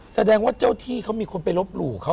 แสดงว่าเจ้าที่เขามีคนไปลบหลู่เขา